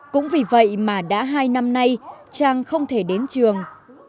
cũng vì vậy mà đã hai năm nay trang không thể đến trường